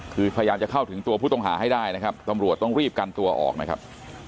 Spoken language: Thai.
คือพยายามจะเข้าถึงตัวผู้ต้องหาให้ได้นะครับตำรวจต้องรีบกันตัวออกนะครับ